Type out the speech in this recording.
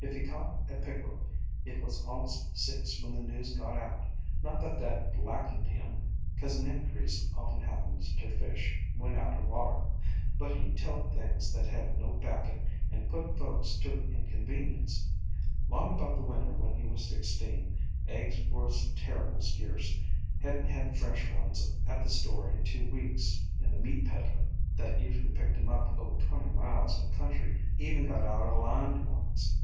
If he caught a pick'rel, it was allus six when the news got out. Not that thet black ,,.,. WHITE HEAJH ened him, cause an increase often happens ter fish when out er water. But he 'd tell things that had no backin' and put folks ter inconvenience. 'Long about the winter when he was sixteen, eggs was terrible skeerce, — hadn't had fresh ones at the store in two weeks, and the meat peddler 258 A COMPOSITE FAMILY that usu'lly picked 'em up over twenty miles o' country even got out o' limed ones.